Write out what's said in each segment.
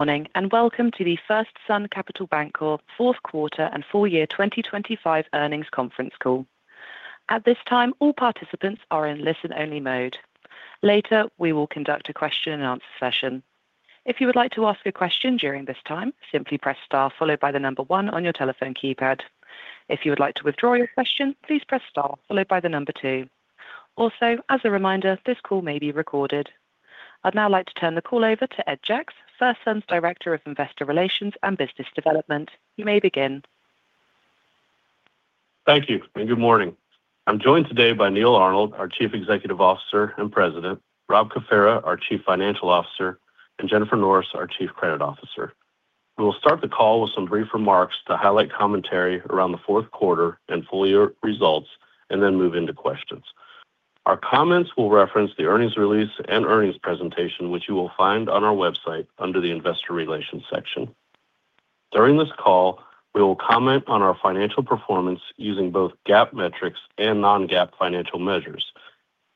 Morning, and welcome to the FirstSun Capital Bancorp Fourth Quarter and Full Year 2025 Earnings Conference Call. At this time, all participants are in listen-only mode. Later, we will conduct a question-and-answer session. If you would like to ask a question during this time, simply press star followed by the number one on your telephone keypad. If you would like to withdraw your question, please press star followed by the number two. Also, as a reminder, this call may be recorded. I'd now like to turn the call over to Ed Jacques, FirstSun's Director of Investor Relations and Business Development. You may begin. Thank you, and good morning. I'm joined today by Neal Arnold, our Chief Executive Officer and President, Rob Cafera, our Chief Financial Officer, and Jennifer Norris, our Chief Credit Officer. We will start the call with some brief remarks to highlight commentary around the fourth quarter and full year results, and then move into questions. Our comments will reference the earnings release and earnings presentation, which you will find on our website under the Investor Relations section. During this call, we will comment on our financial performance using both GAAP metrics and non-GAAP financial measures.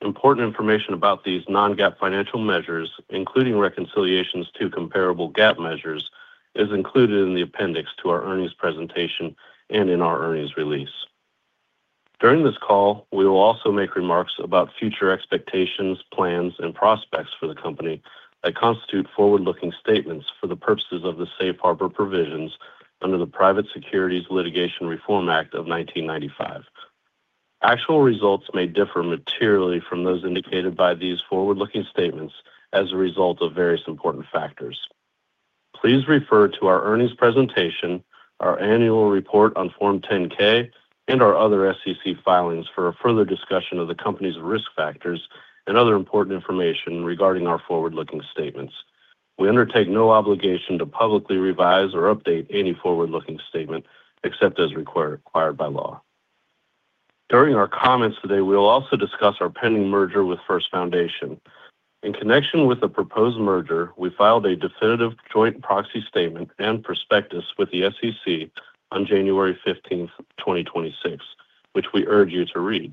Important information about these non-GAAP financial measures, including reconciliations to comparable GAAP measures, is included in the appendix to our earnings presentation and in our earnings release. During this call, we will also make remarks about future expectations, plans, and prospects for the company that constitute forward-looking statements for the purposes of the Safe Harbor Provisions under the Private Securities Litigation Reform Act of 1995. Actual results may differ materially from those indicated by these forward-looking statements as a result of various important factors. Please refer to our earnings presentation, our annual report on Form 10-K, and our other SEC filings for further discussion of the company's risk factors and other important information regarding our forward-looking statements. We undertake no obligation to publicly revise or update any forward-looking statement except as required by law. During our comments today, we will also discuss our pending merger with First Foundation. In connection with the proposed merger, we filed a definitive joint proxy statement and prospectus with the SEC on January 15th, 2026, which we urge you to read.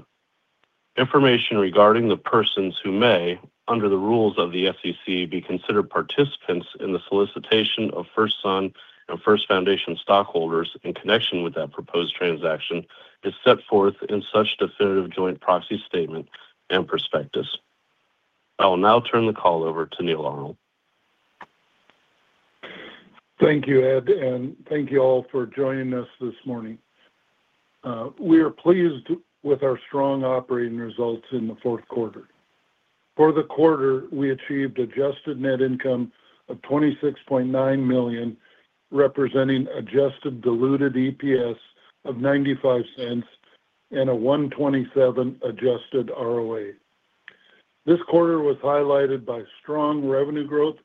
Information regarding the persons who may, under the rules of the SEC, be considered participants in the solicitation of FirstSun and First Foundation stockholders in connection with that proposed transaction is set forth in such definitive joint proxy statement and prospectus. I will now turn the call over to Neal Arnold. Thank you, Ed, and thank you all for joining us this morning. We are pleased with our strong operating results in the fourth quarter. For the quarter, we achieved adjusted net income of $26.9 million, representing adjusted diluted EPS of $0.95 and a $1.27 adjusted ROA. This quarter was highlighted by strong revenue growth,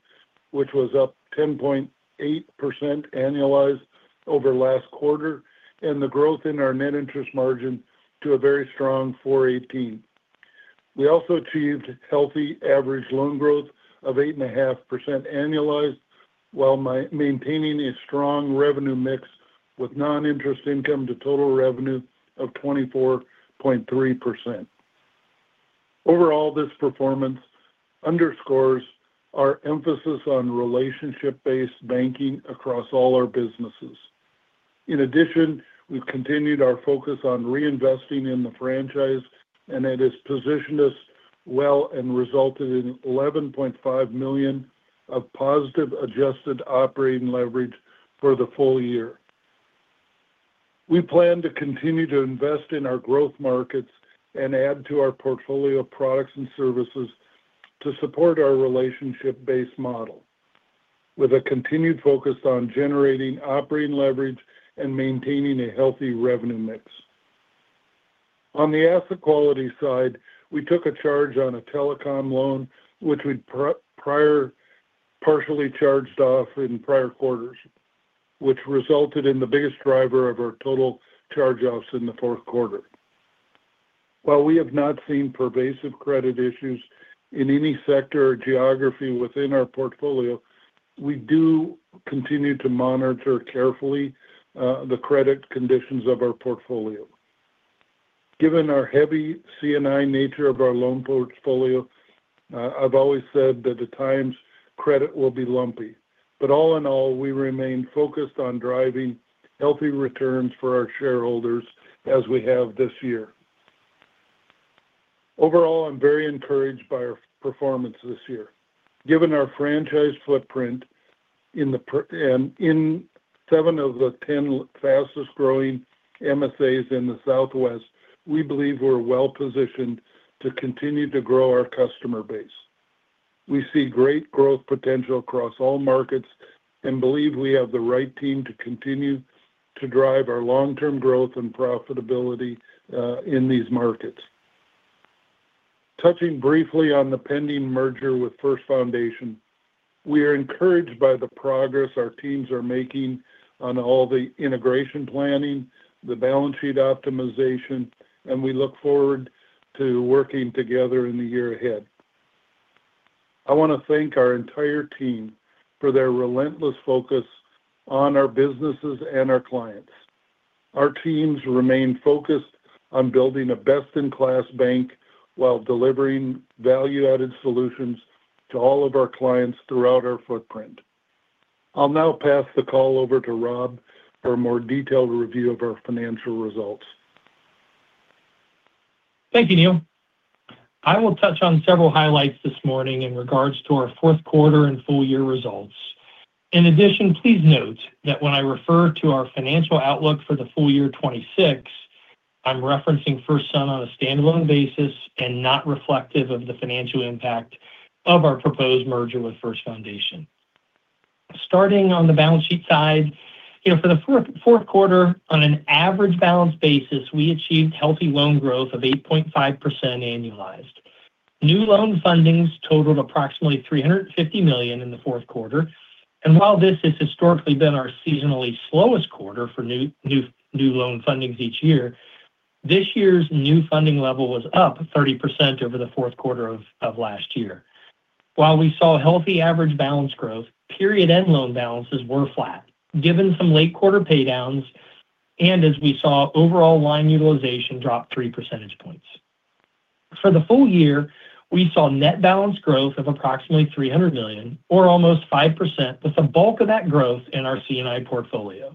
which was up 10.8% annualized over last quarter, and the growth in our net interest margin to a very strong 4.18%. We also achieved healthy average loan growth of 8.5% annualized while maintaining a strong revenue mix with non-interest income to total revenue of 24.3%. Overall, this performance underscores our emphasis on relationship-based banking across all our businesses. In addition, we've continued our focus on reinvesting in the franchise, and it has positioned us well and resulted in $11.5 million of positive adjusted operating leverage for the full year. We plan to continue to invest in our growth markets and add to our portfolio of products and services to support our relationship-based model, with a continued focus on generating operating leverage and maintaining a healthy revenue mix. On the asset quality side, we took a charge on a telecom loan, which we'd prior partially charged off in prior quarters, which resulted in the biggest driver of our total charge-offs in the fourth quarter. While we have not seen pervasive credit issues in any sector or geography within our portfolio, we do continue to monitor carefully the credit conditions of our portfolio. Given our heavy C&I nature of our loan portfolio, I've always said that at times credit will be lumpy, but all in all, we remain focused on driving healthy returns for our shareholders as we have this year. Overall, I'm very encouraged by our performance this year. Given our franchise footprint in 7 of the 10 fastest-growing MSAs in the Southwest, we believe we're well-positioned to continue to grow our customer base. We see great growth potential across all markets and believe we have the right team to continue to drive our long-term growth and profitability in these markets. Touching briefly on the pending merger with First Foundation, we are encouraged by the progress our teams are making on all the integration planning, the balance sheet optimization, and we look forward to working together in the year ahead. I want to thank our entire team for their relentless focus on our businesses and our clients. Our teams remain focused on building a best-in-class bank while delivering value-added solutions to all of our clients throughout our footprint. I'll now pass the call over to Rob for a more detailed review of our financial results. Thank you, Neal. I will touch on several highlights this morning in regards to our fourth quarter and full year results. In addition, please note that when I refer to our financial outlook for the full year 2026, I'm referencing FirstSun on a standalone basis and not reflective of the financial impact of our proposed merger with First Foundation. Starting on the balance sheet side, for the fourth quarter, on an average balance basis, we achieved healthy loan growth of 8.5% annualized. New loan fundings totaled approximately $350 million in the fourth quarter. And while this has historically been our seasonally slowest quarter for new loan fundings each year, this year's new funding level was up 30% over the fourth quarter of last year. While we saw healthy average balance growth, period-end loan balances were flat, given some late quarter paydowns, and as we saw overall line utilization drop 3 percentage points. For the full year, we saw net balance growth of approximately $300 million, or almost 5%, with the bulk of that growth in our C&I portfolio.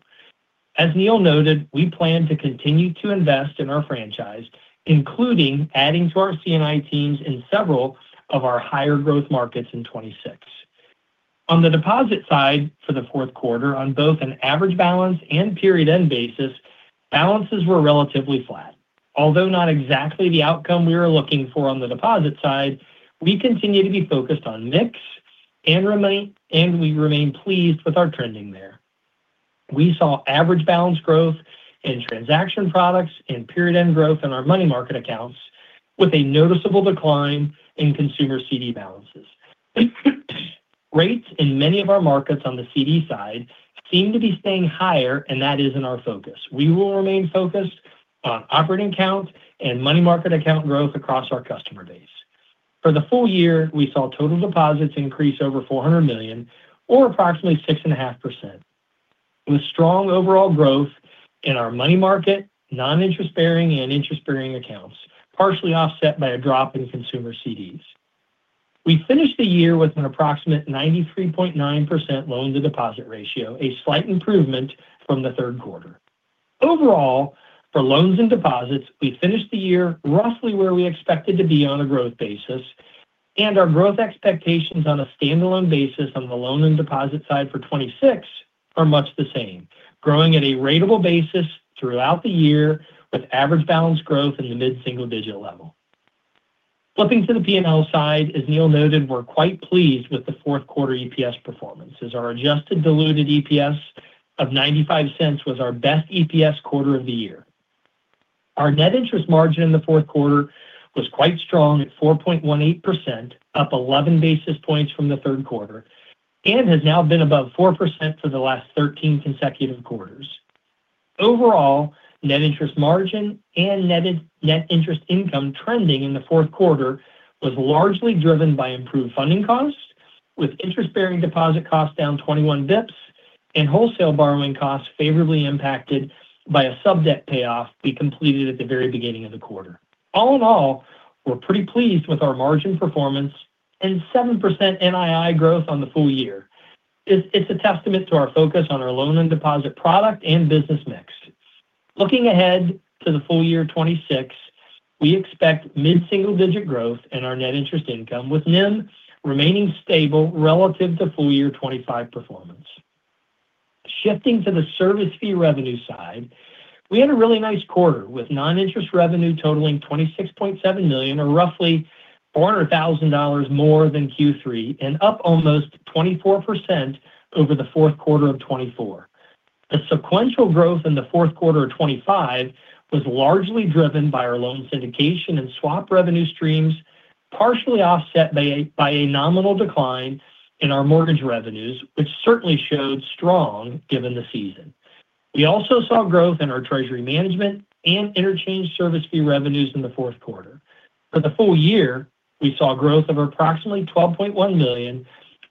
As Neal noted, we plan to continue to invest in our franchise, including adding to our C&I teams in several of our higher growth markets in 2026. On the deposit side for the fourth quarter, on both an average balance and period-end basis, balances were relatively flat. Although not exactly the outcome we were looking for on the deposit side, we continue to be focused on mix, and we remain pleased with our trending there. We saw average balance growth in transaction products and period-end growth in our money market accounts, with a noticeable decline in consumer CD balances. Rates in many of our markets on the CD side seem to be staying higher, and that isn't our focus. We will remain focused on operating account and money market account growth across our customer base. For the full year, we saw total deposits increase over $400 million, or approximately 6.5%, with strong overall growth in our money market, non-interest-bearing, and interest-bearing accounts, partially offset by a drop in consumer CDs. We finished the year with an approximate 93.9% loan-to-deposit ratio, a slight improvement from the third quarter. Overall, for loans and deposits, we finished the year roughly where we expected to be on a growth basis, and our growth expectations on a standalone basis on the loan and deposit side for 2026 are much the same, growing at a rateable basis throughout the year with average balance growth in the mid-single digit level. Flipping to the P&L side, as Neal noted, we're quite pleased with the fourth quarter EPS performance, as our adjusted diluted EPS of $0.95 was our best EPS quarter of the year. Our net interest margin in the fourth quarter was quite strong at 4.18%, up 11 basis points from the third quarter, and has now been above 4% for the last 13 consecutive quarters. Overall, net interest margin and net interest income trending in the fourth quarter was largely driven by improved funding costs, with interest-bearing deposit costs down 21 basis points, and wholesale borrowing costs favorably impacted by a sub-debt payoff we completed at the very beginning of the quarter. All in all, we're pretty pleased with our margin performance and 7% NII growth on the full year. It's a testament to our focus on our loan and deposit product and business mix. Looking ahead to the full year 2026, we expect mid-single digit growth in our net interest income, with NIM remaining stable relative to full year 2025 performance. Shifting to the service fee revenue side, we had a really nice quarter with non-interest revenue totaling $26.7 million, or roughly $400,000 more than Q3, and up almost 24% over the fourth quarter of 2024. The sequential growth in the fourth quarter of 2025 was largely driven by our loan syndication and swap revenue streams, partially offset by a nominal decline in our mortgage revenues, which certainly showed strong given the season. We also saw growth in our treasury management and interchange service fee revenues in the fourth quarter. For the full year, we saw growth of approximately $12.1 million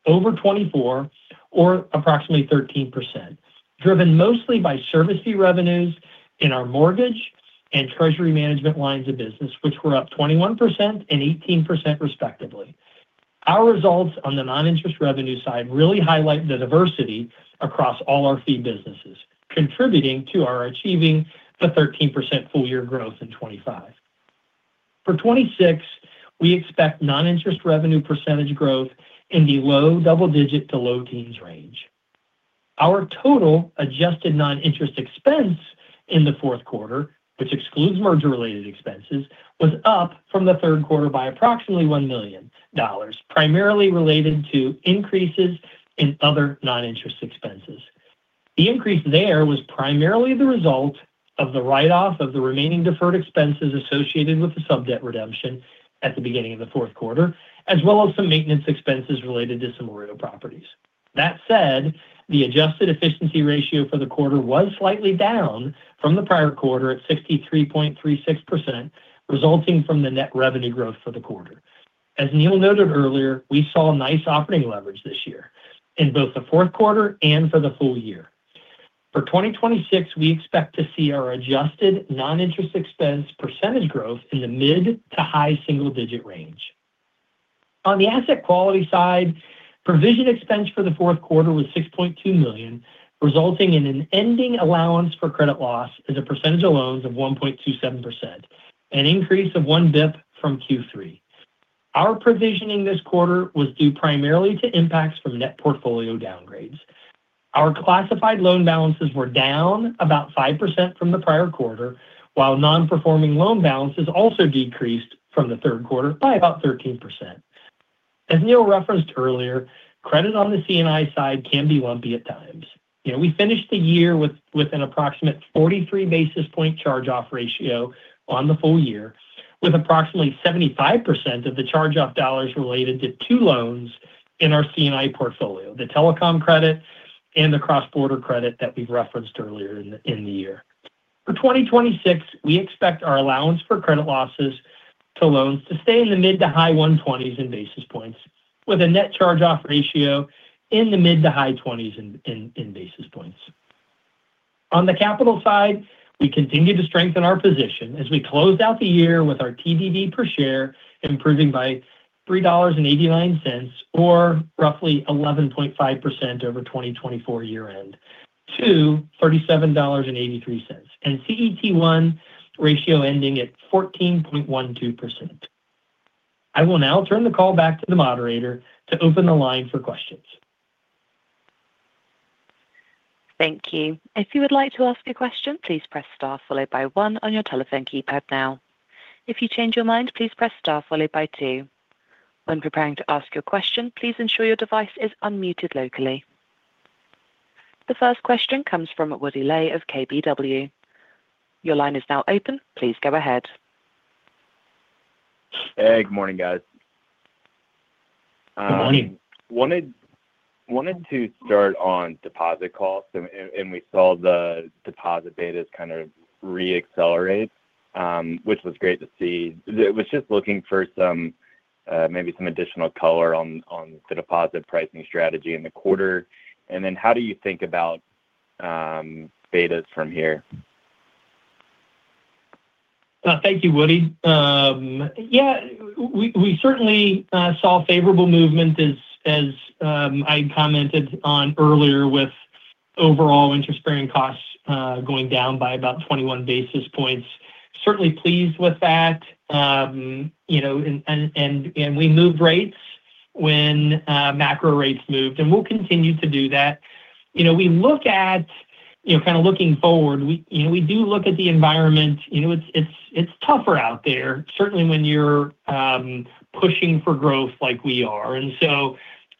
over 2024, or approximately 13%, driven mostly by service fee revenues in our mortgage and treasury management lines of business, which were up 21% and 18%, respectively. Our results on the non-interest revenue side really highlight the diversity across all our fee businesses, contributing to our achieving the 13% full year growth in 2025. For 2026, we expect non-interest revenue percentage growth in the low double-digit to low teens range. Our total adjusted non-interest expense in the fourth quarter, which excludes merger-related expenses, was up from the third quarter by approximately $1 million, primarily related to increases in other non-interest expenses. The increase there was primarily the result of the write-off of the remaining deferred expenses associated with the sub-debt redemption at the beginning of the fourth quarter, as well as some maintenance expenses related to some real properties. That said, the adjusted efficiency ratio for the quarter was slightly down from the prior quarter at 63.36%, resulting from the net revenue growth for the quarter. As Neal noted earlier, we saw nice operating leverage this year in both the fourth quarter and for the full year. For 2026, we expect to see our adjusted non-interest expense percentage growth in the mid to high single digit range. On the asset quality side, provision expense for the fourth quarter was $6.2 million, resulting in an ending allowance for credit losses as a percentage of loans of 1.27%, an increase of one basis point from Q3. Our provisioning this quarter was due primarily to impacts from net portfolio downgrades. Our classified loan balances were down about 5% from the prior quarter, while non-performing loan balances also decreased from the third quarter by about 13%. As Neal referenced earlier, credit on the C&I side can be lumpy at times. We finished the year with an approximate 43 basis points charge-off ratio on the full year, with approximately 75% of the charge-off dollars related to two loans in our C&I portfolio, the telecom credit and the cross-border credit that we've referenced earlier in the year. For 2026, we expect our allowance for credit losses to loans to stay in the mid to high 120s in basis points, with a net charge-off ratio in the mid to high 20s in basis points. On the capital side, we continue to strengthen our position as we closed out the year with our TBV per share improving by $3.89, or roughly 11.5% over 2024 year-end, to $37.83, and CET 1 ratio ending at 14.12%. I will now turn the call back to the moderator to open the line for questions. Thank you. If you would like to ask a question, please press star followed by one on your telephone keypad now. If you change your mind, please press star followed by two. When preparing to ask your question, please ensure your device is unmuted locally. The first question comes from Woody Lay of KBW. Your line is now open. Please go ahead. Hey, good morning, guys. Good morning. Wanted to start on deposit costs, and we saw the deposit betas kind of re-accelerate, which was great to see. It was just looking for maybe some additional color on the deposit pricing strategy in the quarter. And then how do you think about betas from here? Thank you, Woody. Yeah, we certainly saw favorable movement, as I commented on earlier, with overall interest-bearing costs going down by about 21 basis points. Certainly pleased with that. We moved rates when macro rates moved, and we'll continue to do that. We look at kind of looking forward, we do look at the environment. It's tougher out there, certainly when you're pushing for growth like we are.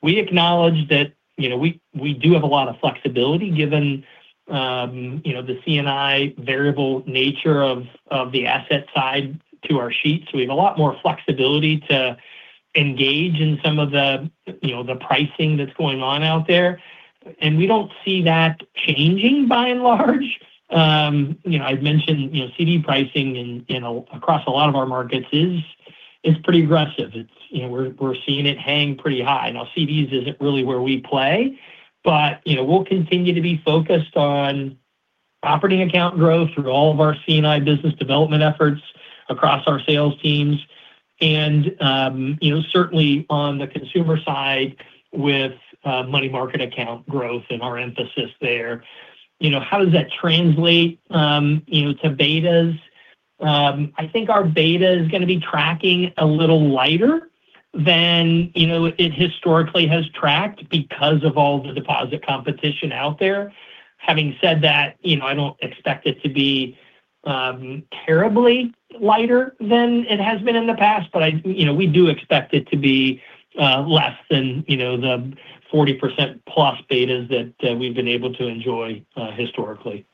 We acknowledge that we do have a lot of flexibility given the C&I variable nature of the asset side to our sheet. So we have a lot more flexibility to engage in some of the pricing that's going on out there. We don't see that changing by and large. I've mentioned CD pricing across a lot of our markets is pretty aggressive. We're seeing it hang pretty high. Now, CDs isn't really where we play, but we'll continue to be focused on operating account growth through all of our C&I business development efforts across our sales teams. And certainly on the consumer side with money market account growth and our emphasis there, how does that translate to betas? I think our beta is going to be tracking a little lighter than it historically has tracked because of all the deposit competition out there. Having said that, I don't expect it to be terribly lighter than it has been in the past, but we do expect it to be less than the 40%+ betas that we've been able to enjoy historically.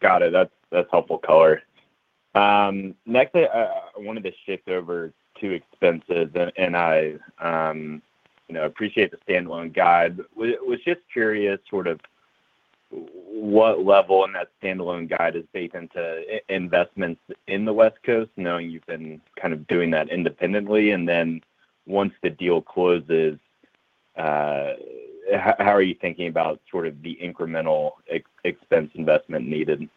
Got it. That's helpful color. Next, I wanted to shift over to expenses, and I appreciate the standalone guide. I was just curious sort of what level in that standalone guide is baked into investments in the West Coast, knowing you've been kind of doing that independently. And then once the deal closes, how are you thinking about sort of the incremental expense investment needed?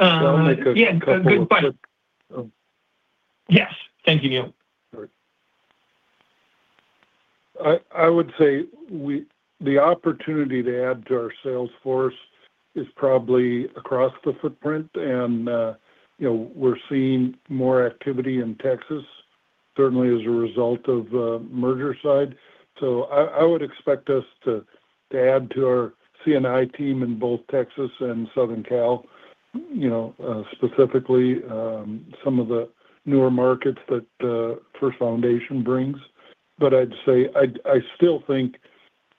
Yeah, good question. Yes. Thank you, Neal. I would say the opportunity to add to our sales force is probably across the footprint, and we're seeing more activity in Texas, certainly as a result of the merger side. So I would expect us to add to our C&I team in both Texas and Southern Cal, specifically some of the newer markets that First Foundation brings. But I'd say I still think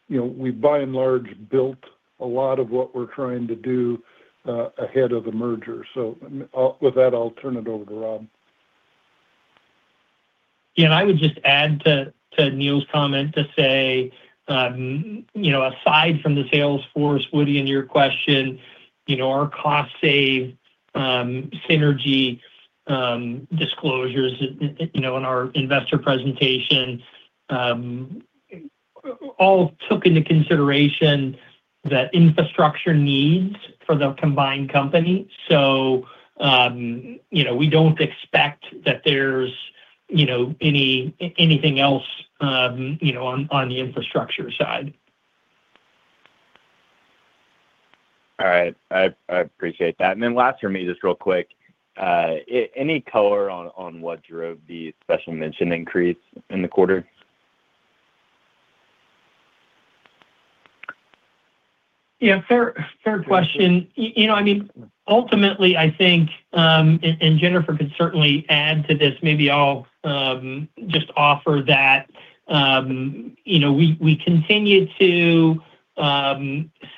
we've by and large built a lot of what we're trying to do ahead of the merger. So with that, I'll turn it over to Rob. Yeah, and I would just add to Neal's comment to say, aside from the sales force, Woody, in your question, our cost-save synergy disclosures in our investor presentation all took into consideration the infrastructure needs for the combined company. So we don't expect that there's anything else on the infrastructure side. All right. I appreciate that. And then last for me, just real quick, any color on what drove the special mention increase in the quarter? Yeah, fair question. I mean, ultimately, I think, and Jennifer could certainly add to this, maybe I'll just offer that we continue to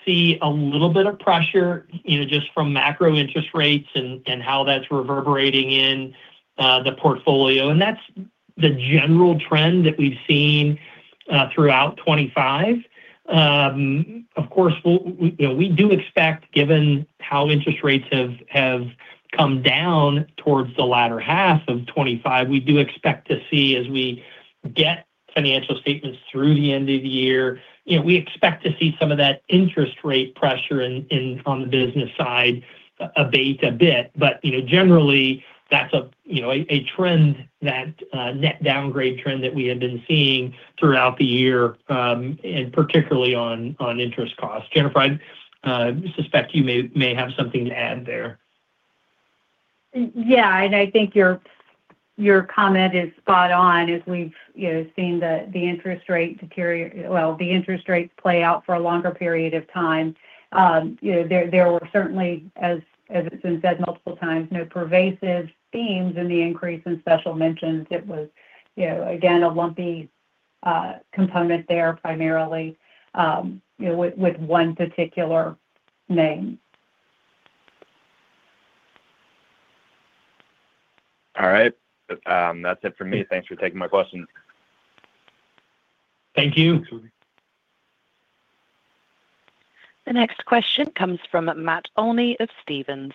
see a little bit of pressure just from macro interest rates and how that's reverberating in the portfolio. And that's the general trend that we've seen throughout 2025. Of course, we do expect, given how interest rates have come down towards the latter half of 2025, we do expect to see, as we get financial statements through the end of the year, we expect to see some of that interest rate pressure on the business side abate a bit. But generally, that's a net downgrade trend that we have been seeing throughout the year, and particularly on interest costs. Jennifer, I suspect you may have something to add there. Yeah, and I think your comment is spot on. As we've seen the interest rate deteriorate, well, the interest rates play out for a longer period of time. There were certainly, as it's been said multiple times, no pervasive themes in the increase in special mentions. It was, again, a lumpy component there primarily with one particular name. All right. That's it for me. Thanks for taking my question. Thank you. Thanks, Woody. The next question comes from Matt Olney of Stephens.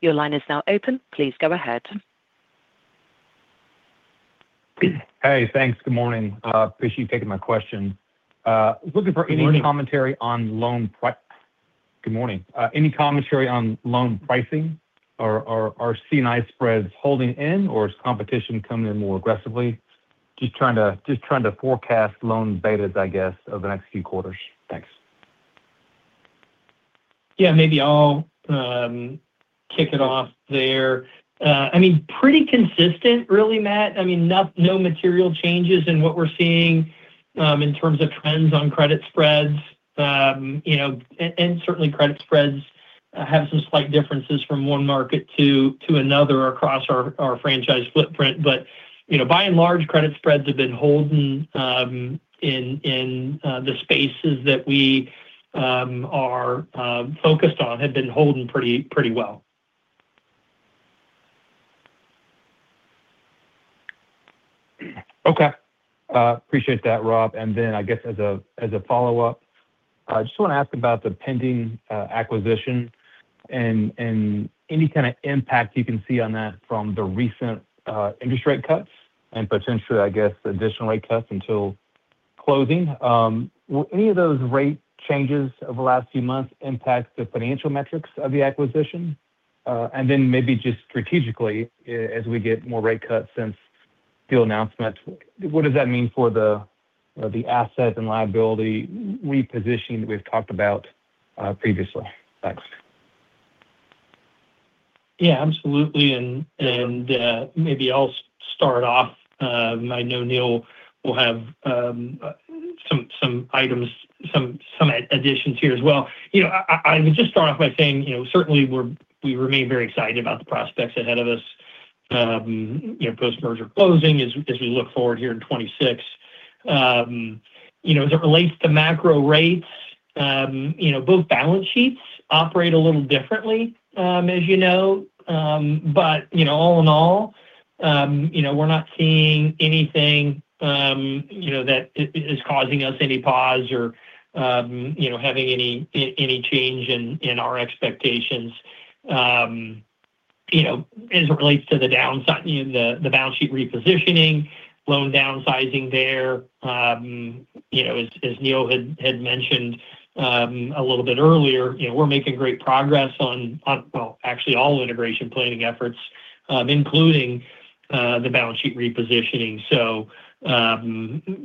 Your line is now open. Please go ahead. Hey, thanks. Good morning. Appreciate you taking my question. Looking for any commentary on loan price. Good morning. Good morning. Any commentary on loan pricing? Are C&I spreads holding in, or is competition coming in more aggressively? Just trying to forecast loan betas, I guess, over the next few quarters. Thanks. Yeah, maybe I'll kick it off there. I mean, pretty consistent, really, Matt. I mean, no material changes in what we're seeing in terms of trends on credit spreads. And certainly, credit spreads have some slight differences from one market to another across our franchise footprint. But by and large, credit spreads have been holding in the spaces that we are focused on, have been holding pretty well. Okay. Appreciate that, Rob. And then I guess as a follow-up, I just want to ask about the pending acquisition and any kind of impact you can see on that from the recent interest rate cuts and potentially, I guess, additional rate cuts until closing. Will any of those rate changes over the last few months impact the financial metrics of the acquisition? And then maybe just strategically, as we get more rate cuts since the announcement, what does that mean for the asset and liability repositioning that we've talked about previously? Thanks. Yeah, absolutely. And maybe I'll start off. I know Neal will have some additions here as well. I would just start off by saying certainly we remain very excited about the prospects ahead of us, post-merger closing as we look forward here in 2026. As it relates to macro rates, both balance sheets operate a little differently, as you know. But all in all, we're not seeing anything that is causing us any pause or having any change in our expectations. As it relates to the balance sheet repositioning, loan downsizing there, as Neal had mentioned a little bit earlier, we're making great progress on, well, actually all integration planning efforts, including the balance sheet repositioning. So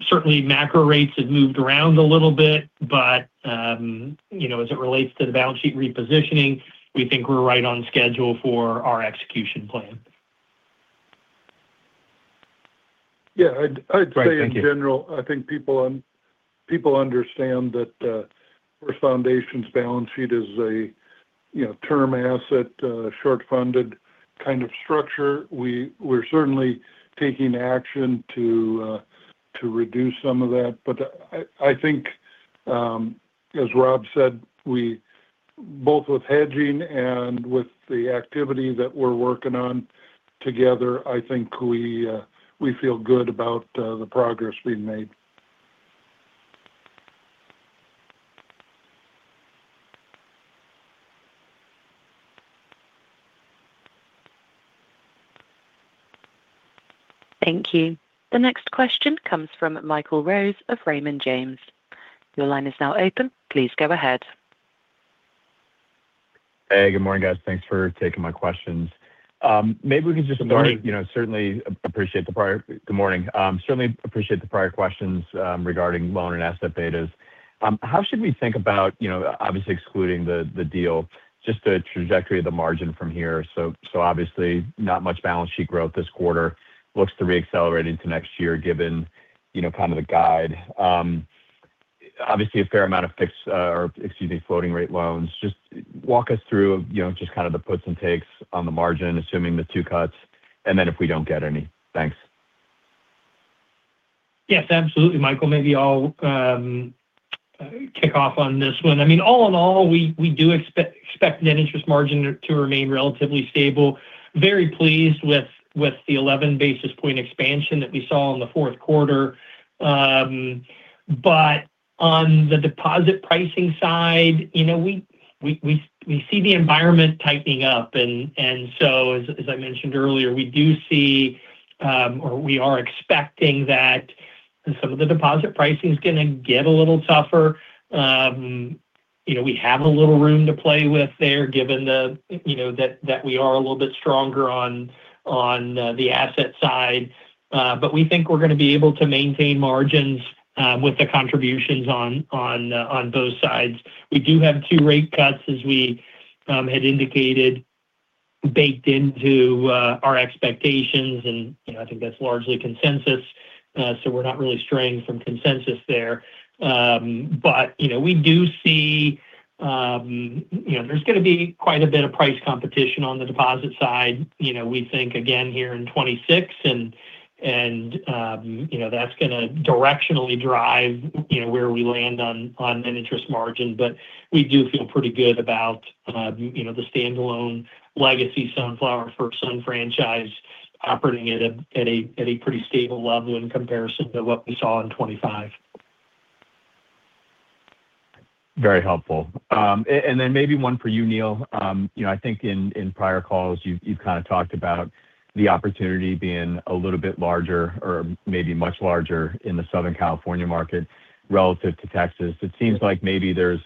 certainly, macro rates have moved around a little bit, but as it relates to the balance sheet repositioning, we think we're right on schedule for our execution plan. Yeah. I'd say in general, I think people understand that First Foundation's balance sheet is a term asset, short-funded kind of structure. We're certainly taking action to reduce some of that. But I think, as Rob said, both with hedging and with the activity that we're working on together, I think we feel good about the progress we've made. Thank you. The next question comes from Michael Rose of Raymond James. Your line is now open. Please go ahead. Hey, good morning, guys. Thanks for taking my questions. Maybe we can just start. Certainly appreciate the prior good morning. Certainly appreciate the prior questions regarding loan and asset betas. How should we think about, obviously, excluding the deal, just the trajectory of the margin from here? So obviously, not much balance sheet growth this quarter. Looks to re-accelerate into next year, given kind of the guide. Obviously, a fair amount of fixed or, excuse me, floating-rate loans. Just walk us through just kind of the puts and takes on the margin, assuming the two cuts, and then if we don't get any. Thanks. Yes, absolutely, Michael. Maybe I'll kick off on this one. I mean, all in all, we do expect net interest margin to remain relatively stable. Very pleased with the 11 basis point expansion that we saw in the fourth quarter. But on the deposit pricing side, we see the environment tightening up. And so, as I mentioned earlier, we do see, or we are expecting that some of the deposit pricing is going to get a little tougher. We have a little room to play with there given that we are a little bit stronger on the asset side. But we think we're going to be able to maintain margins with the contributions on both sides. We do have 2 rate cuts, as we had indicated, baked into our expectations. And I think that's largely consensus. So we're not really straying from consensus there. But we do see there's going to be quite a bit of price competition on the deposit side. We think, again, here in 2026, and that's going to directionally drive where we land on net interest margin. But we do feel pretty good about the standalone legacy Sunflower FirstSun franchise operating at a pretty stable level in comparison to what we saw in 2025. Very helpful. And then maybe one for you, Neal. I think in prior calls, you've kind of talked about the opportunity being a little bit larger or maybe much larger in the Southern California market relative to Texas. It seems like maybe there's,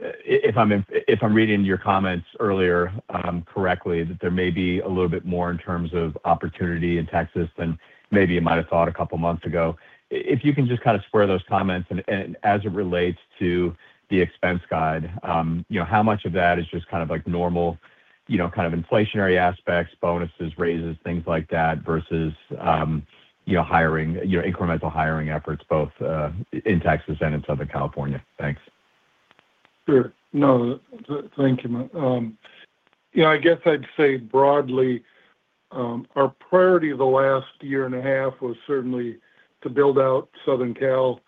if I'm reading your comments earlier correctly, that there may be a little bit more in terms of opportunity in Texas than maybe you might have thought a couple of months ago. If you can just kind of square those comments. And as it relates to the expense guide, how much of that is just kind of normal kind of inflationary aspects, bonuses, raises, things like that, versus incremental hiring efforts both in Texas and in Southern California? Thanks. Sure. No, thank you, Michael. Yeah, I guess I'd say broadly, our priority the last year and a half was certainly to build out Southern Cal.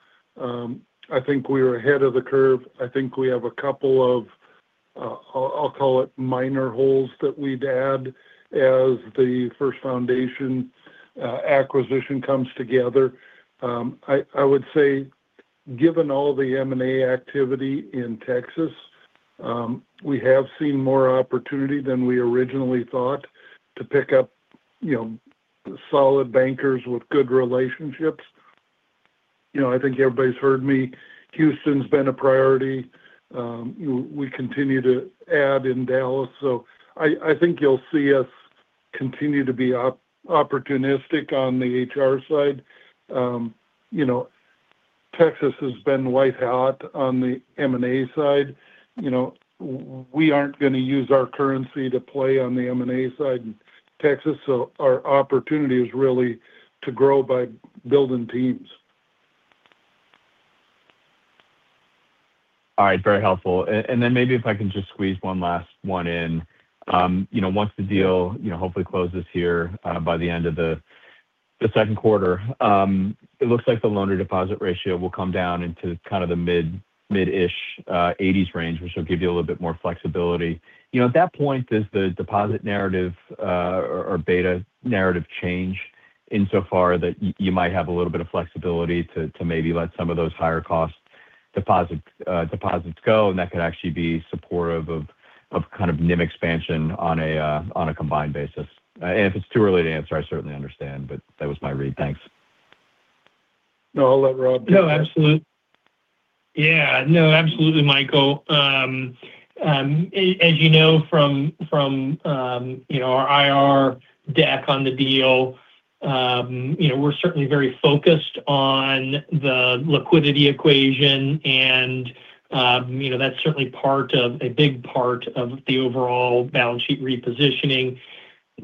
I think we were ahead of the curve. I think we have a couple of, I'll call it, minor holes that we'd add as the First Foundation acquisition comes together. I would say, given all the M&A activity in Texas, we have seen more opportunity than we originally thought to pick up solid bankers with good relationships. I think everybody's heard me. Houston's been a priority. We continue to add in Dallas. So I think you'll see us continue to be opportunistic on the hire side. Texas has been white-hot on the M&A side. We aren't going to use our currency to play on the M&A side in Texas. So our opportunity is really to grow by building teams. All right. Very helpful. And then maybe if I can just squeeze one last one in. Once the deal hopefully closes here by the end of the second quarter, it looks like the loan-to-deposit ratio will come down into kind of the mid-80s range, which will give you a little bit more flexibility. At that point, does the deposit narrative or beta narrative change insofar that you might have a little bit of flexibility to maybe let some of those higher-cost deposits go? And that could actually be supportive of kind of NIM expansion on a combined basis. And if it's too early to answer, I certainly understand, but that was my read. Thanks. No, I'll let Rob take that. No, absolutely. Yeah. No, absolutely, Michael. As you know from our IR deck on the deal, we're certainly very focused on the liquidity equation. And that's certainly a big part of the overall balance sheet repositioning,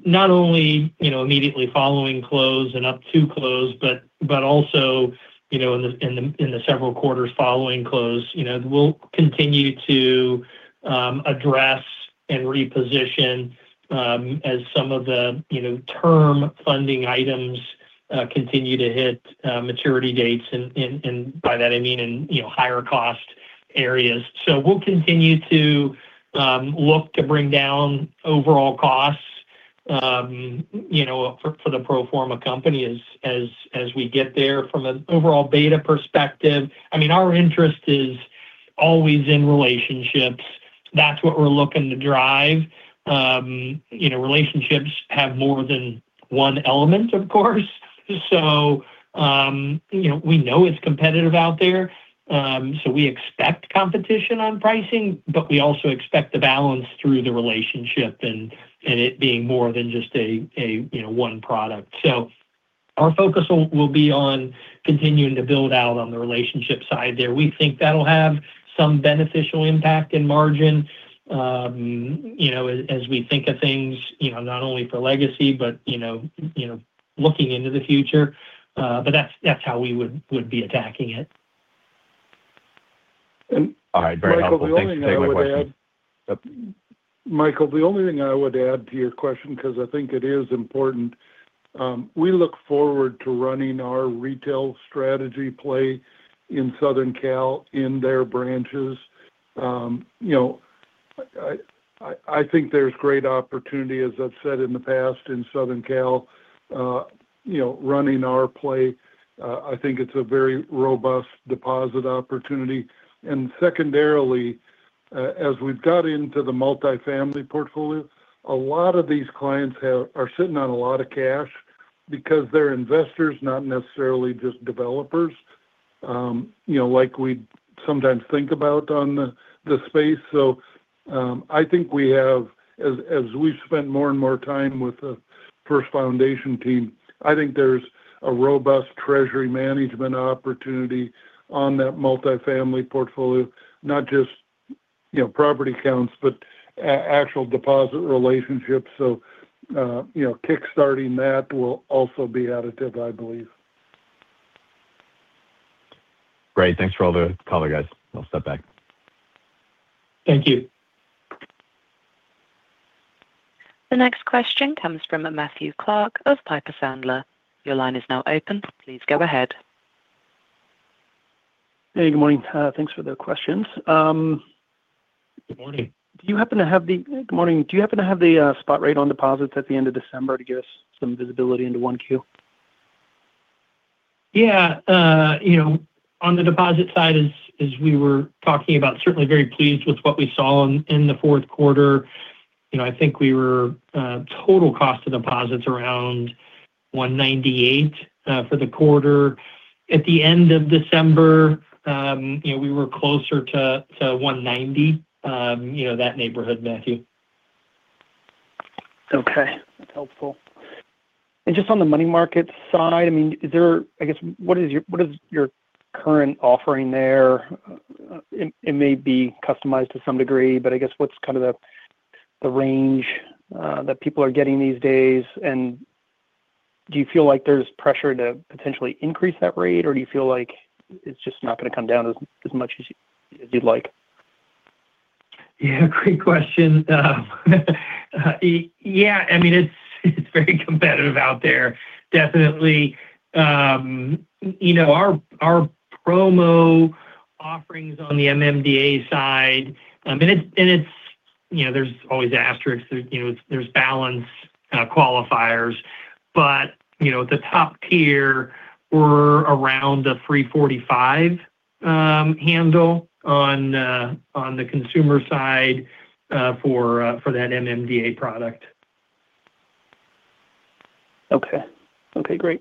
not only immediately following close and up to close, but also in the several quarters following close. We'll continue to address and reposition as some of the term funding items continue to hit maturity dates. And by that, I mean in higher-cost areas. So we'll continue to look to bring down overall costs for the pro forma company as we get there from an overall beta perspective. I mean, our interest is always in relationships. That's what we're looking to drive. Relationships have more than one element, of course. So we know it's competitive out there. So we expect competition on pricing, but we also expect the balance through the relationship and it being more than just a one product. So our focus will be on continuing to build out on the relationship side there. We think that'll have some beneficial impact in margin as we think of things not only for legacy, but looking into the future. But that's how we would be attacking it. All right. Very helpful. Michael, the only thing I would add. Michael, the only thing I would add to your question, because I think it is important, we look forward to running our retail strategy play in Southern Cal in their branches. I think there's great opportunity, as I've said in the past, in Southern Cal running our play. I think it's a very robust deposit opportunity. And secondarily, as we've got into the multifamily portfolio, a lot of these clients are sitting on a lot of cash because they're investors, not necessarily just developers, like we sometimes think about on the space. So I think we have, as we've spent more and more time with the First Foundation team, I think there's a robust treasury management opportunity on that multifamily portfolio, not just property counts, but actual deposit relationships. So kickstarting that will also be additive, I believe. Great. Thanks to all the callers, guys. I'll step back. Thank you. The next question comes from Matthew Clark of Piper Sandler. Your line is now open. Please go ahead. Hey, good morning. Thanks for the questions. Good morning. Good morning. Do you happen to have the spot rate on deposits at the end of December to give us some visibility into 1Q? Yeah. On the deposit side, as we were talking about, certainly very pleased with what we saw in the fourth quarter. I think we were total cost of deposits around 198 for the quarter. At the end of December, we were closer to 190, that neighborhood, Matthew. Okay. That's helpful. And just on the money market side, I mean, is there, I guess, what is your current offering there? It may be customized to some degree, but I guess what's kind of the range that people are getting these days? And do you feel like there's pressure to potentially increase that rate, or do you feel like it's just not going to come down as much as you'd like? Yeah. Great question. Yeah. I mean, it's very competitive out there, definitely. Our promo offerings on the MMDA side, and there's always asterisks. There's balance qualifiers. But the top tier, we're around the 3.45 handle on the consumer side for that MMDA product. Okay. Okay. Great.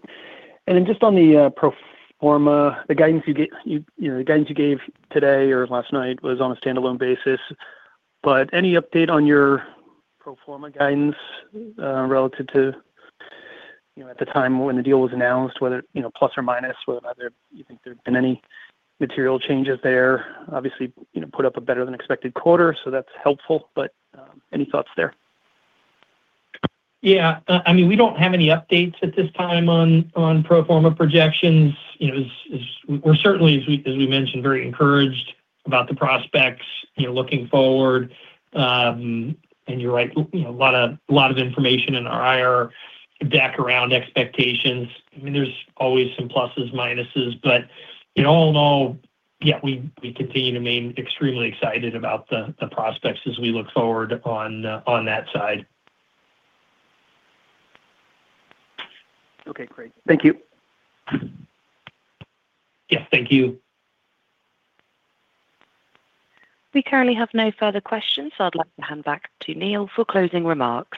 And then just on the pro forma, the guidance you gave today or last night was on a standalone basis. But any update on your pro forma guidance relative to at the time when the deal was announced, whether plus or minus, whether or not you think there have been any material changes there? Obviously, put up a better-than-expected quarter. So that's helpful. But any thoughts there? Yeah. I mean, we don't have any updates at this time on pro forma projections. We're certainly, as we mentioned, very encouraged about the prospects looking forward. And you're right, a lot of information in our IR deck around expectations. I mean, there's always some pluses, minuses. But all in all, yeah, we continue to remain extremely excited about the prospects as we look forward on that side. Okay. Great. Thank you. Yeah. Thank you. We currently have no further questions, so I'd like to hand back to Neal for closing remarks.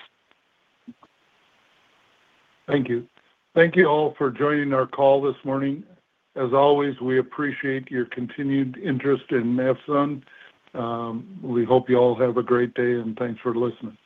Thank you. Thank you all for joining our call this morning. As always, we appreciate your continued interest in FirstSun. We hope you all have a great day, and thanks for listening.